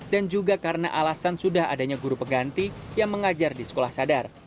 dan juga karena alasan sudah adanya guru peganti yang mengajar di sekolah sadar